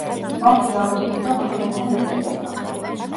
მათი რაოდენობა თანდათან იზრდება.